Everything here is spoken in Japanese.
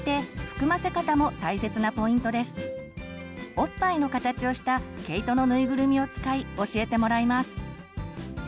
おっぱいの形をした毛糸の縫いぐるみを使い教えてもらいます。